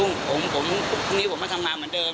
ในส่วนตรงนั้นเขาก็บอกว่าทำไมเขาต้องเชื่อด้วย